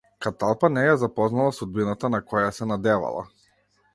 Каталпа не ја запознала судбината на која се надевала.